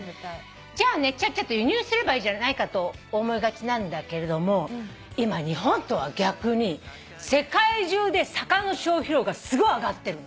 じゃあ輸入すればいいじゃないかと思いがちなんだけれども今日本とは逆に世界中で魚の消費量がすごい上がってるの。